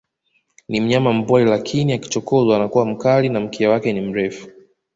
Ni mnyama mpole lakini akichokozwa anakuwa mkali na mkia wake ni mrefu